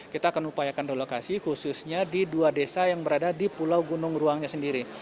kita akan upayakan relokasi khususnya di dua desa yang berada di pulau gunung ruangnya sendiri